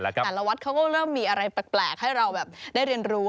แต่ละวัดเขาก็เริ่มมีอะไรแปลกให้เราแบบได้เรียนรู้